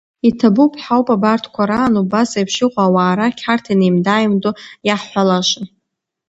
Иҭабуп ҳәа ауп абарҭқәа раан убас аиԥш иҟоу ауаа рахь ҳарҭ инеимда-ааимдо иаҳҳәалаша!